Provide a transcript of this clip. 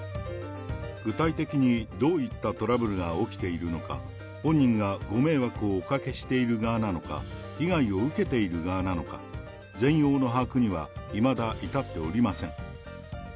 具体的にどういったトラブルが起きているのか、本人がご迷惑をおかけしている側なのか、被害を受けている側なのか、全容の把握にはいまだ至っておりません。